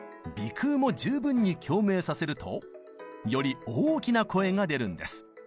鼻腔も十分に共鳴させるとより大きな声が出るんです。